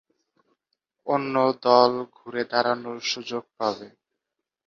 অন্য দল ঘরে দাঁড়ানোর সুযোগ পাবে।